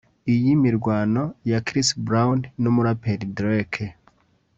Iyi mirwana ya Chris Brown n’umuraperi Drake